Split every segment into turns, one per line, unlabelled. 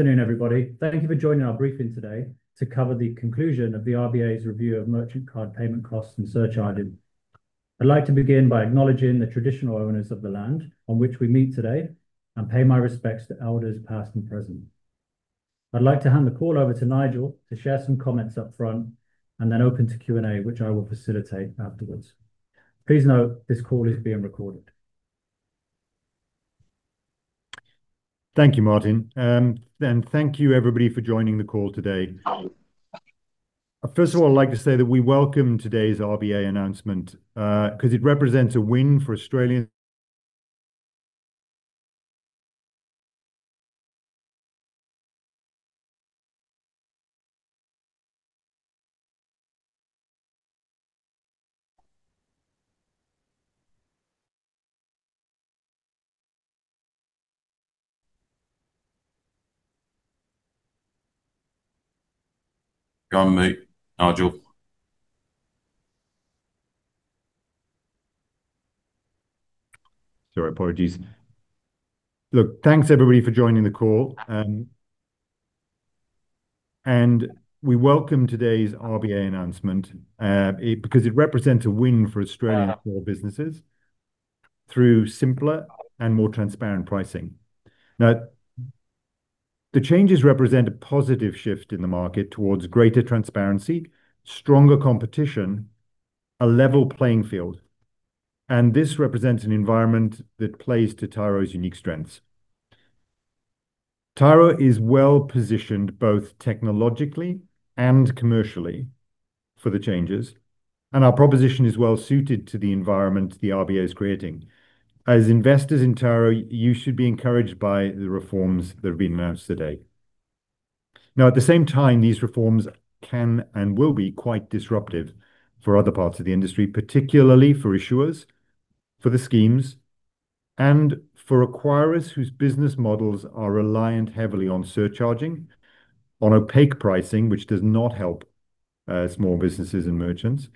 Afternoon, everybody. Thank you for joining our briefing today to cover the conclusion of the RBA's review of merchant card payment costs and surcharging. I'd like to begin by acknowledging the traditional owners of the land on which we meet today and pay my respects to elders, past and present. I'd like to hand the call over to Nigel to share some comments up front, and then open to Q&A, which I will facilitate afterwards. Please note this call is being recorded.
Thank you, Martyn. Thanks everybody for joining the call. We welcome today's RBA announcement because it represents a win for Australian small businesses through simpler and more transparent pricing. Now, the changes represent a positive shift in the market towards greater transparency, stronger competition, a level playing field. This represents an environment that plays to Tyro's unique strengths. Tyro is well-positioned both technologically and commercially for the changes, and our proposition is well suited to the environment the RBA is creating. As investors in Tyro, you should be encouraged by the reforms that have been announced today. Now, at the same time, these reforms can and will be quite disruptive for other parts of the industry, particularly for issuers, for the schemes, and for acquirers whose business models are reliant heavily on surcharging, on opaque pricing, which does not help, small businesses and merchants,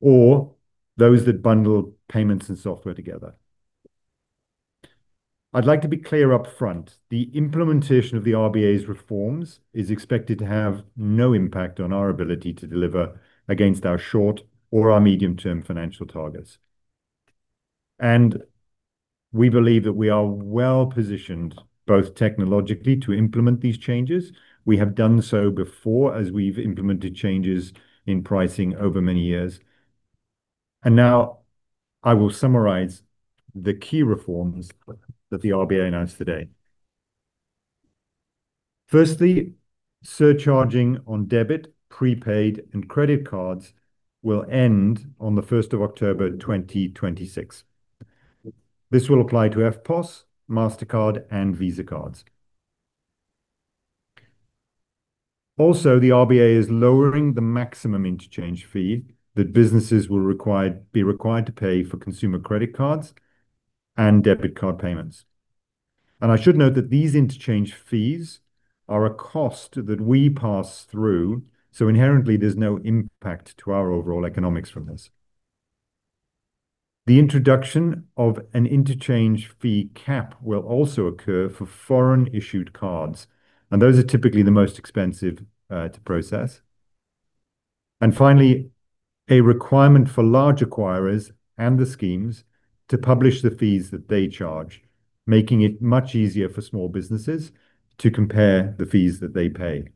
or those that bundle payments and software together. I'd like to be clear up front, the implementation of the RBA's reforms is expected to have no impact on our ability to deliver against our short or our medium-term financial targets. We believe that we are well positioned, both technologically to implement these changes. We have done so before as we've implemented changes in pricing over many years. Now I will summarize the key reforms that the RBA announced today. Firstly, surcharging on debit, prepaid, and credit cards will end on the 1st of October, 2026. This will apply to EFTPOS, Mastercard, and Visa cards. Also, the RBA is lowering the maximum interchange fee that businesses will be required to pay for consumer credit cards and debit card payments. I should note that these interchange fees are a cost that we pass through, so inherently there's no impact to our overall economics from this. The introduction of an interchange fee cap will also occur for foreign issued cards, and those are typically the most expensive to process. Finally, a requirement for large acquirers and the schemes to publish the fees that they charge, making it much easier for small businesses to compare the fees that they pay.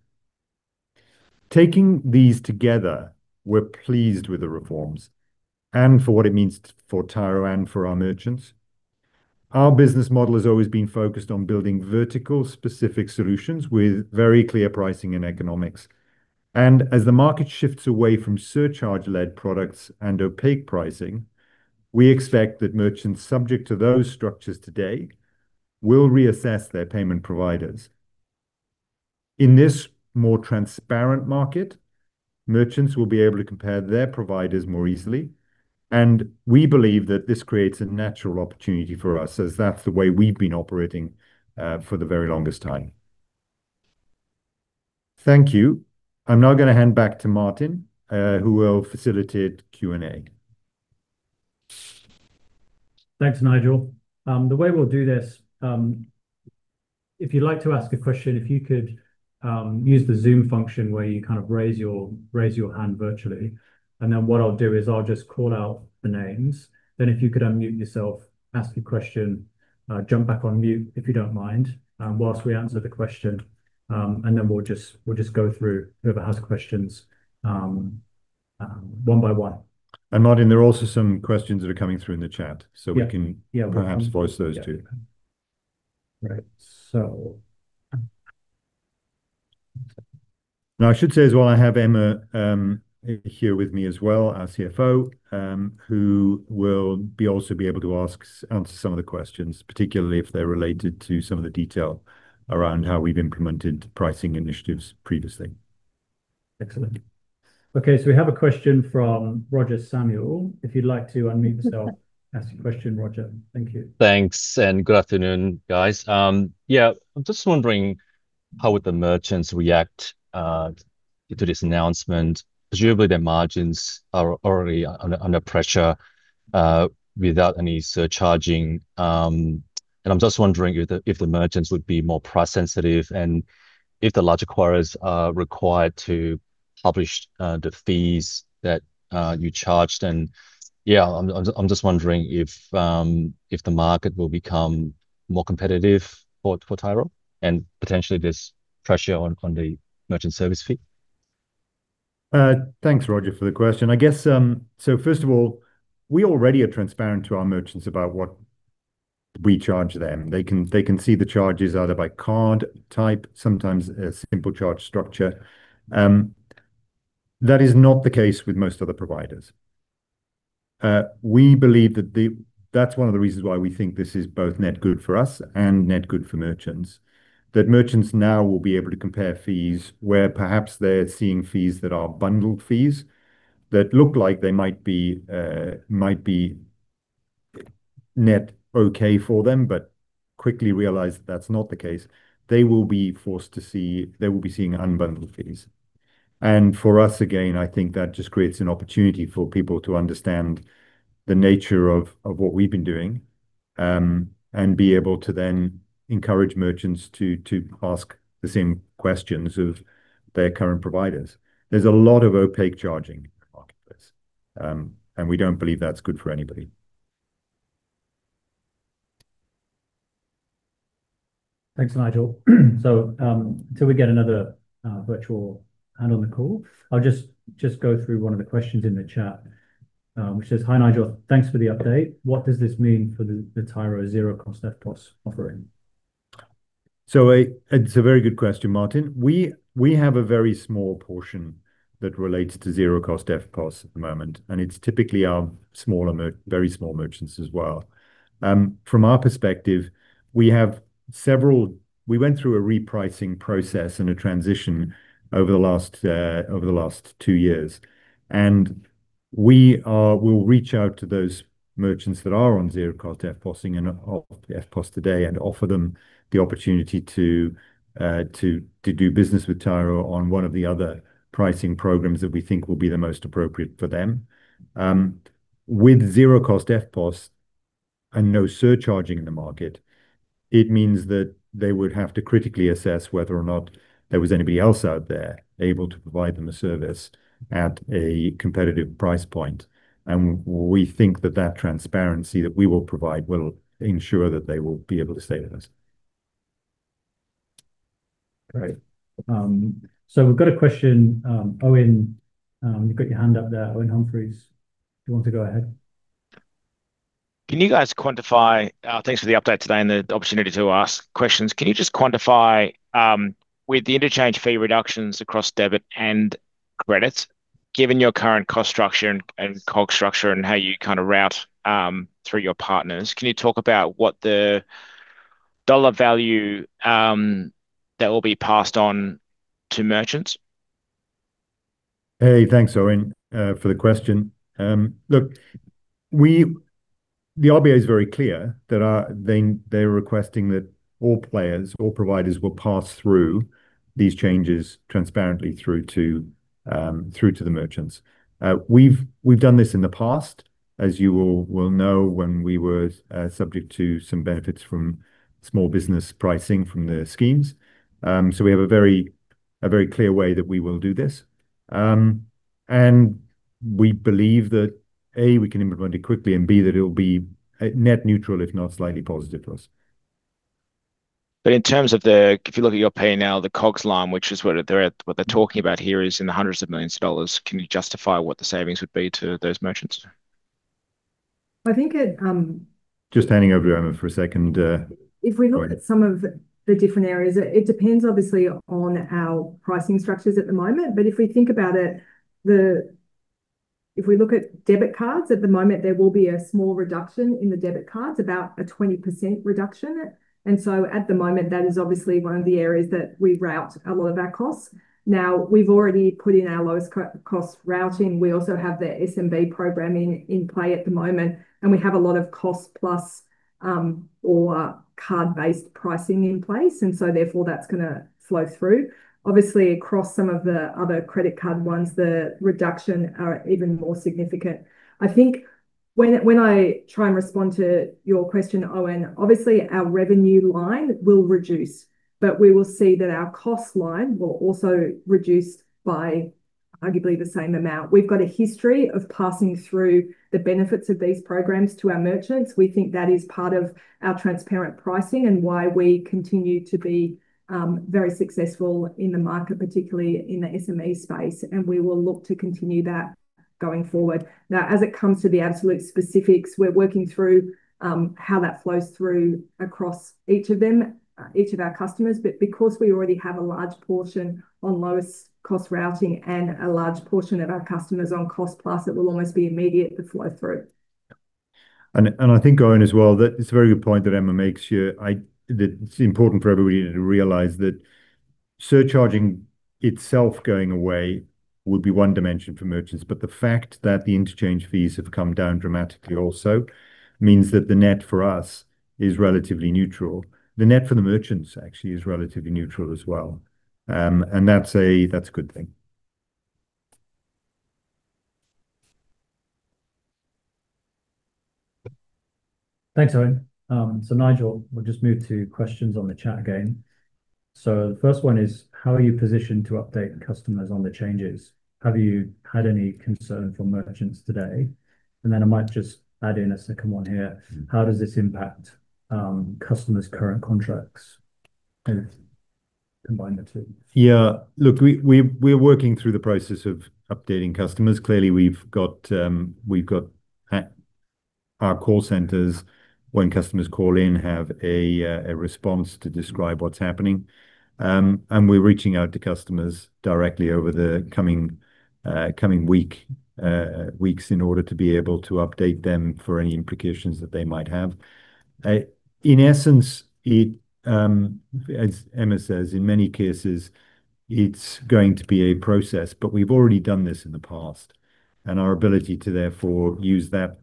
Taking these together, we're pleased with the reforms and for what it means for Tyro and for our merchants. Our business model has always been focused on building vertical specific solutions with very clear pricing and economics. As the market shifts away from surcharge-led products and opaque pricing, we expect that merchants subject to those structures today will reassess their payment providers. In this more transparent market, merchants will be able to compare their providers more easily, and we believe that this creates a natural opportunity for us, as that's the way we've been operating for the very longest time. Thank you. I'm now gonna hand back to Martyn, who will facilitate Q&A.
Thanks, Nigel. The way we'll do this, if you'd like to ask a question, if you could use the Zoom function where you kind of raise your hand virtually, and then what I'll do is I'll just call out the names. Then if you could unmute yourself, ask your question, jump back on mute, if you don't mind, whilst we answer the question. We'll just go through whoever has questions one by one.
Martyn, there are also some questions that are coming through in the chat.
Yeah.
So we can-
Yeah
Perhaps voice those too.
Right.
Now, I should say as well, I have Emma here with me as well, our CFO, who will be also able to answer some of the questions, particularly if they're related to some of the detail around how we've implemented pricing initiatives previously.
Excellent. Okay. We have a question from Roger Samuel. If you'd like to unmute yourself. Ask your question, Roger. Thank you.
Thanks, good afternoon, guys. Yeah, I'm just wondering how would the merchants react to this announcement. Presumably, their margins are already under pressure without any surcharging. I'm just wondering if the merchants would be more price sensitive and if the large acquirers are required to publish the fees that you charged. Yeah, I'm just wondering if the market will become more competitive for Tyro and potentially there's pressure on the merchant service fee.
Thanks, Roger, for the question. I guess, first of all, we already are transparent to our merchants about what we charge them. They can see the charges either by card type, sometimes a simple charge structure. That is not the case with most other providers. We believe that's one of the reasons why we think this is both net good for us and net good for merchants. That merchants now will be able to compare fees where perhaps they're seeing fees that are bundled fees that look like they might be net okay for them, but quickly realize that's not the case. They will be seeing unbundled fees. For us, again, I think that just creates an opportunity for people to understand the nature of what we've been doing, and be able to then encourage merchants to ask the same questions of their current providers. There's a lot of opaque charging in the marketplace, and we don't believe that's good for anybody.
Thanks, Nigel. Till we get another virtual hand on the call, I'll just go through one of the questions in the chat, which says, "Hi, Nigel. Thanks for the update. What does this mean for the Tyro zero cost EFTPOS offering?
It's a very good question, Martyn. We have a very small portion that relates to zero cost EFTPOS at the moment, and it's typically our very small merchants as well. From our perspective, we went through a repricing process and a transition over the last two years. We'll reach out to those merchants that are on zero cost EFTPOS and off EFTPOS today and offer them the opportunity to do business with Tyro on one of the other pricing programs that we think will be the most appropriate for them. With zero cost EFTPOS and no surcharging in the market, it means that they would have to critically assess whether or not there was anybody else out there able to provide them a service at a competitive price point. We think that transparency that we will provide will ensure that they will be able to stay with us.
Great. We've got a question. Owen, you've got your hand up there. Owen Humphries, do you want to go ahead?
Thanks for the update today and the opportunity to ask questions. Can you just quantify with the interchange fee reductions across debit and credit, given your current cost structure and how you kinda route through your partners, can you talk about what the dollar value that will be passed on to merchants?
Hey, thanks, Owen, for the question. Look, the RBA is very clear that they're requesting that all players or providers will pass through these changes transparently through to the merchants. We've done this in the past, as you will know when we were subject to some benefits from small business pricing from the schemes. We have a very clear way that we will do this. We believe that, A, we can implement it quickly, and B, that it'll be net neutral if not slightly positive for us.
In terms of, if you look at your P&L, the COGS line, which is what they're talking about here is hundreds of millions of dollars, can you justify what the savings would be to those merchants?
I think it.
Just handing over to Emma for a second.
If we look at some of the different areas, it depends obviously on our pricing structures at the moment. If we think about it, if we look at debit cards at the moment, there will be a small reduction in the debit cards, about a 20% reduction. At the moment, that is obviously one of the areas that we route a lot of our costs. Now, we've already put in our least-cost routing. We also have the SMB program in play at the moment, and we have a lot of cost plus or card-based pricing in place, and so therefore that's gonna flow through. Obviously, across some of the other credit card ones, the reduction are even more significant. I think when I try and respond to your question, Owen, obviously, our revenue line will reduce, but we will see that our cost line will also reduce by arguably the same amount. We've got a history of passing through the benefits of these programs to our merchants. We think that is part of our transparent pricing and why we continue to be very successful in the market, particularly in the SME space, and we will look to continue that going forward. Now, as it comes to the absolute specifics, we're working through how that flows through across each of them, each of our customers. Because we already have a large portion on lowest cost routing and a large portion of our customers on cost plus, it will almost be immediate the flow through.
I think, Owen, as well, that it's a very good point that Emma makes here. That it's important for everybody to realize that surcharging itself going away will be one dimension for merchants, but the fact that the interchange fees have come down dramatically also means that the net for us is relatively neutral. The net for the merchants actually is relatively neutral as well. That's a good thing.
Thanks, Owen. Nigel, we'll just move to questions on the chat again. The first one is, how are you positioned to update customers on the changes? Have you had any concern from merchants today? Then I might just add in a second one here. How does this impact, customers' current contracts? Combine the two.
Yeah. Look, we're working through the process of updating customers. Clearly, we've got our call centers, when customers call in, have a response to describe what's happening. We're reaching out to customers directly over the coming weeks in order to be able to update them for any implications that they might have. In essence, as Emma says, in many cases, it's going to be a process, but we've already done this in the past, and our ability to therefore use that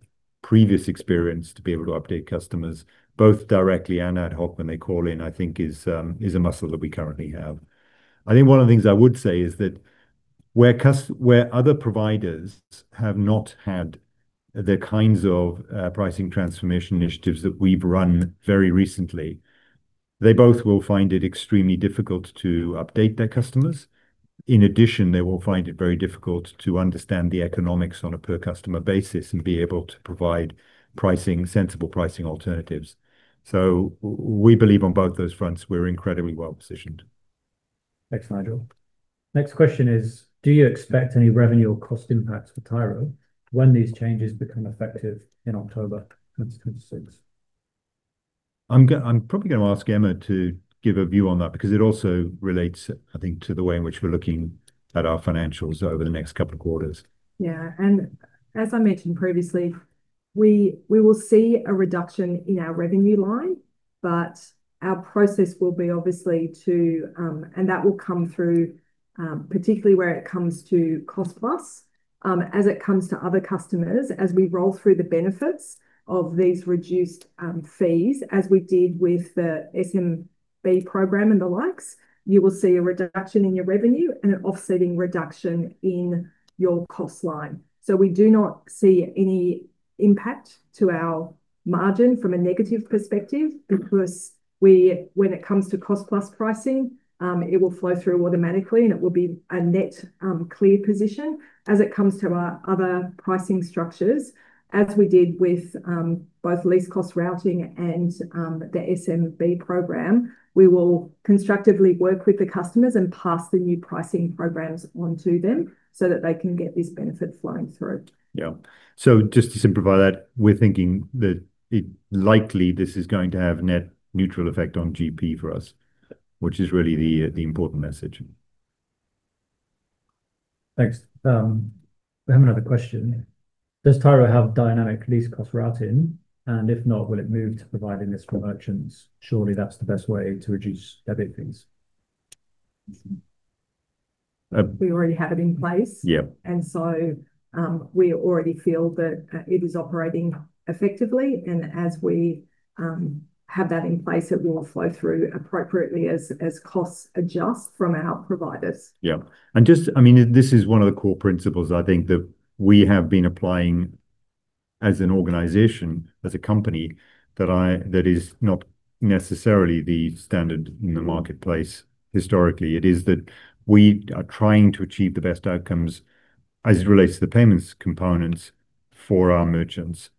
previous experience to be able to update customers both directly and ad hoc when they call in, I think is a muscle that we currently have. I think one of the things I would say is that where other providers have not had the kinds of pricing transformation initiatives that we've run very recently, they both will find it extremely difficult to update their customers. In addition, they will find it very difficult to understand the economics on a per customer basis and be able to provide pricing, sensible pricing alternatives. We believe on both those fronts, we're incredibly well-positioned.
Thanks, Nigel. Next question is, do you expect any revenue or cost impacts for Tyro when these changes become effective in October 2026?
I'm probably gonna ask Emma to give a view on that because it also relates, I think, to the way in which we're looking at our financials over the next couple of quarters.
Yeah. As I mentioned previously, we will see a reduction in our revenue line, but our process will be obviously, and that will come through particularly where it comes to cost plus. As it comes to other customers, as we roll through the benefits of these reduced fees, as we did with the SMB program and the likes, you will see a reduction in your revenue and an offsetting reduction in your cost line. We do not see any impact to our margin from a negative perspective because when it comes to cost plus pricing, it will flow through automatically, and it will be a net clear position as it comes to our other pricing structures, as we did with both least cost routing and the SMB program. We will constructively work with the customers and pass the new pricing programs on to them so that they can get this benefit flowing through.
Yeah. Just to simplify that, we're thinking that it's likely that this is going to have net neutral effect on GP for us, which is really the important message.
Thanks. We have another question. Does Tyro have dynamic least-cost routing? If not, will it move to providing this for merchants? Surely, that's the best way to reduce debit fees.
We already have it in place.
Yeah.
We already feel that it is operating effectively. As we have that in place, it will flow through appropriately as costs adjust from our providers.
Yeah. I mean, this is one of the core principles, I think, that we have been applying as an organization, as a company that is not necessarily the standard in the marketplace historically. It is that we are trying to achieve the best outcomes as it relates to the payments components for our merchants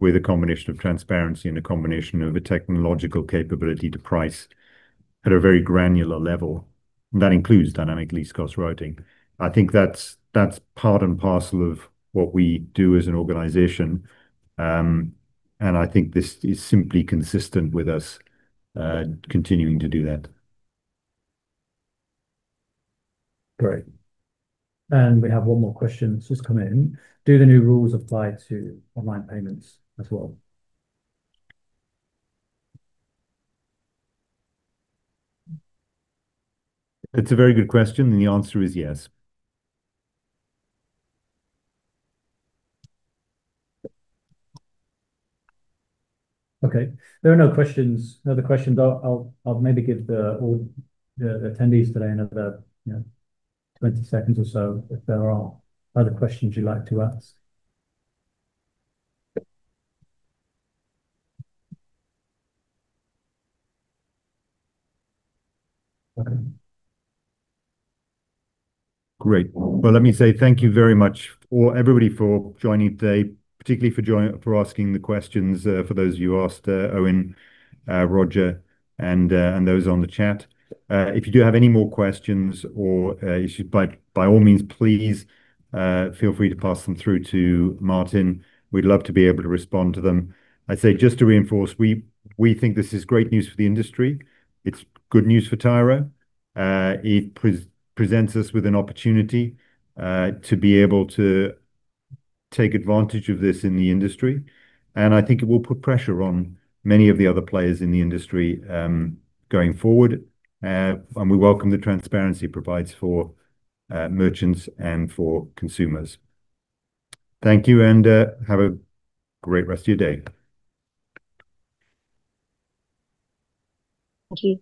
with a combination of transparency and a combination of a technological capability to price at a very granular level. That includes dynamic least-cost routing. I think that's part and parcel of what we do as an organization. I think this is simply consistent with us continuing to do that.
Great. We have one more question just come in. Do the new rules apply to online payments as well?
It's a very good question, and the answer is yes.
Okay. There are no questions. No other questions. I'll maybe give all the attendees today another, you know, 20 seconds or so if there are other questions you'd like to ask. Okay.
Great. Well, let me say thank you very much for everybody for joining today, particularly for asking the questions, for those of you who asked, Owen, Roger, and those on the chat. If you do have any more questions, by all means, please feel free to pass them through to Martyn. We'd love to be able to respond to them. I'd say just to reinforce, we think this is great news for the industry. It's good news for Tyro. It presents us with an opportunity to be able to take advantage of this in the industry, and I think it will put pressure on many of the other players in the industry, going forward. We welcome the transparency it provides for merchants and for consumers. Thank you, and have a great rest of your day.
Thank you.